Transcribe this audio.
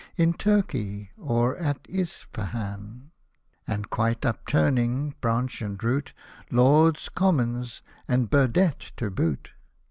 In Turkey or at Ispahan, And quite upturning, branch and root, Lords, Commons, and Burdett to boot.